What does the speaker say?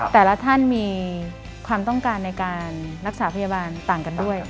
แต่ละท่านมีความต้องการในการรักษาพยาบาลต่างกันด้วย